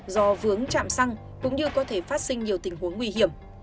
do vướng chạm xăng cũng như có thể phát sinh nhiều tình huống nguy hiểm